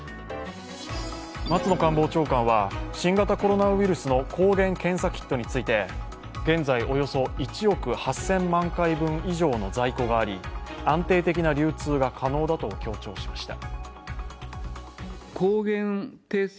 松野官房長官は、新型コロナウイルスの抗原検査キットについて、現在およそ１億８０００万回分以上の在庫があり、安定的な流通が可能だと強調しました。